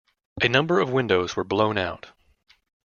A number of windows were blown out.